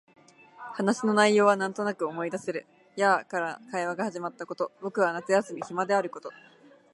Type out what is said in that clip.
話の内容はなんとなく思い出せる。やあ、から会話が始まったこと、僕は夏休み暇であること、